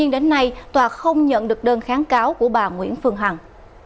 đã nhận được đơn kháng cáo của bà nguyễn phương hằng